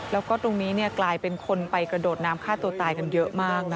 แล้วก็ตรงนี้กลายเป็นคนไปกระโดดน้ำฆ่าตัวตายกันเยอะมาก